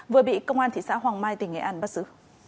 vừa bị công an thị xã hoàng mai tỉnh nghệ an bắt giữ